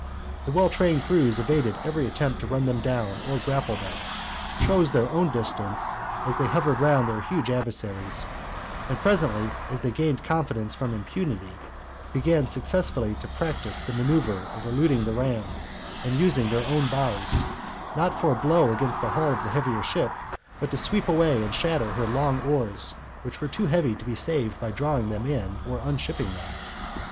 The well trained crews evaded every attempt to run them down or grapple them, chose their own distance as they hovered round their huge adversaries, and presently as they gained confidence from impunity, began successfully to practise the manoeuvre of eluding the ram, and using their own bows, not for a blow against the hull of the heavier ship, but to sweep away and shatter her long oars, that were too heavy to be saved by drawing them in or unshipping them.